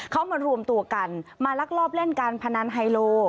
เขามารวมตัวกันมาลักลอบเล่นการพนันไฮโล